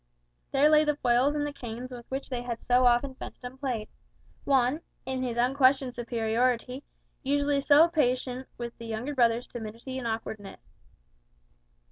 There lay the foils and the canes with which they had so often fenced and played; Juan, in his unquestioned superiority, usually so patient with the younger brother's timidity and awkwardness.